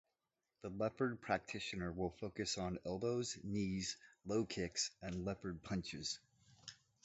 The leopard practitioner will focus on elbows, knees, low kicks, and leopard punches.